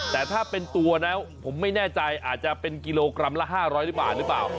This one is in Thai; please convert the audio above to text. แต่ถ้าเป็นตัวแล้วผมไม่แน่ใจอาจจะเป็นกิโลกรัมละ๕๐๐หรือเปล่า